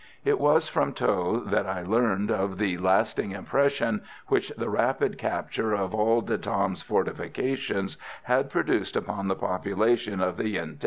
It was from Tho that I learned of the lasting impression which the rapid capture of all De Tam's fortifications had produced upon the population of the Yen Thé.